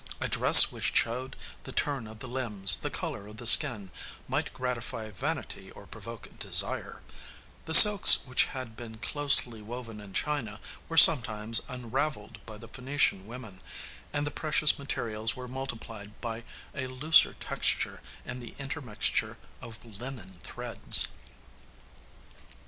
A dress which showed the turn of the limbs, the color of the skin, might gratify vanity or provoke desire; the silks which had been closely woven in China were sometimes unraveled by the Phœnician [Pg 6304] women, and the precious materials were multiplied by a looser texture and the intermixture of linen threads.